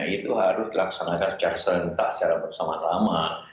itu harus dilaksanakan secara bersama sama